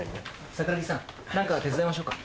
サクラギさん何か手伝いましょうか？